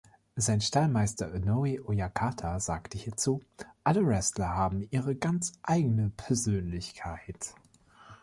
Sein Stallmeister Onoe Oyakata sagte hierzu: „Alle Wrestler haben ihre ganz eigene Persönlichkeit.“